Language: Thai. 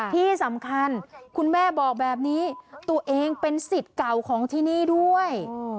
ที่สำคัญคุณแม่บอกแบบนี้ตัวเองเป็นสิทธิ์เก่าของที่นี่ด้วย